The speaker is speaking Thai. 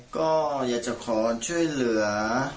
ก็อยากจะขอช่วยเหลือ